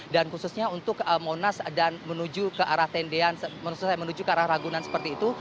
dan khususnya untuk monas dan menuju ke arah tendean menuju ke arah ragunan seperti itu